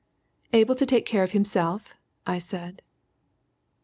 "Able to take care of himself," I said.